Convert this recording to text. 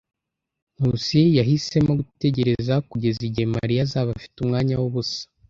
Nkusi yahisemo gutegereza kugeza igihe Mariya azaba afite umwanya w'ubusa.